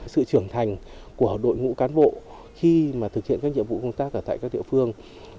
sự trưởng thành của đội ngũ cán bộ khi mà thực hiện các nhiệm vụ công tác ở tại các địa phương